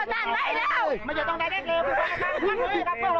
เต็กเลยเร็วอาจารย์เลยเร็ว